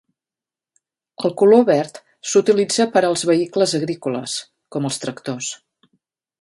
El color verd s'utilitza per als vehicles agrícoles, com els tractors.